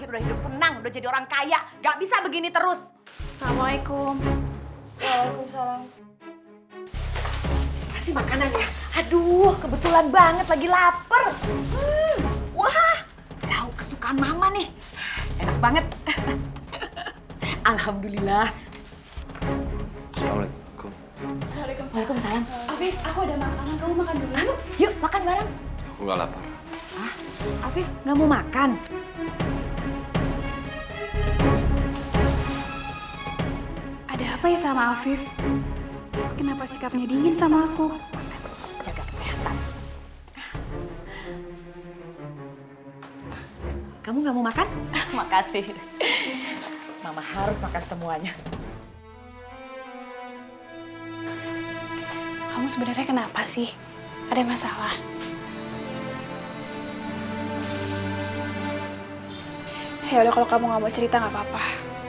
ya udah kalau kamu nggak mau cerita nggak apa apa